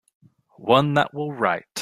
One that will write.